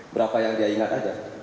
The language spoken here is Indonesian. berapa yang dia ingat aja